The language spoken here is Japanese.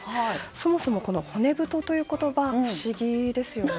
そもそも骨太という言葉不思議ですよね。